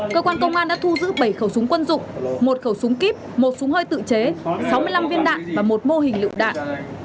cơ quan công an đã thu giữ bảy khẩu súng quân dụng một khẩu súng kíp một súng hơi tự chế sáu mươi năm viên đạn và một mô hình lựu đạn